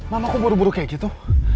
mama kok buru buru kayak gitu